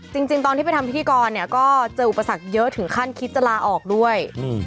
จริงตอนที่ไปทำพิธีกรเนี่ยก็เจออุปสรรคเยอะถึงขั้นคิดจะลาออกด้วย